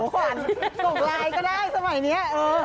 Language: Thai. ส่วนหมายก็ได้สมัยนี้